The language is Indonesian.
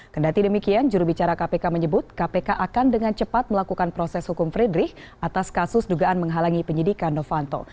kendati demikian jurubicara kpk menyebut kpk akan dengan cepat melakukan proses hukum fredrich atas kasus dugaan menghalangi penyidikan novanto